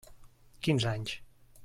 Quinze anys.